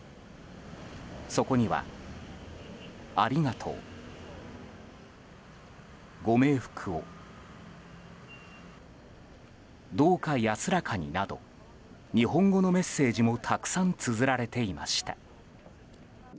そこには、ありがとう、ご冥福をどうか安らかになど日本語のメッセージもたくさんつづられていました。